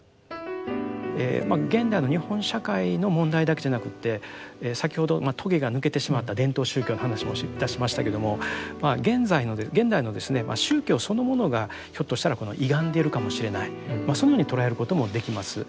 現代の日本社会の問題だけじゃなくって先ほど棘が抜けてしまった伝統宗教の話もいたしましたけども現代の宗教そのものがひょっとしたら歪んでいるかもしれないそのように捉えることもできます。